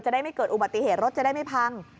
ได้ไม่เกิดอุบัติเหตุรถจะได้ไม่พัง